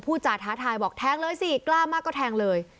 จ่าท้าทายบอกแทงเลยสิกล้ามากก็แทงเลย